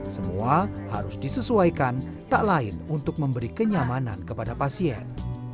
semua harus disesuaikan tak lain untuk memberi kenyamanan kepada pasien